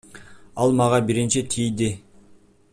Ал мага биринчи тийди.